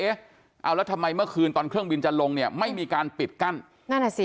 เอาแล้วทำไมเมื่อคืนตอนเครื่องบินจะลงไม่มีการปิดกั้น